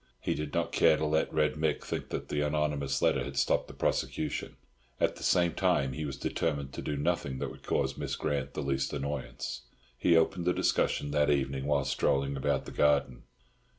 He did not care to let Red Mick think that the anonymous letter had stopped the prosecution; at the same time, he was determined to do nothing that would cause Miss Grant the least annoyance. He opened the discussion that evening while strolling about the garden.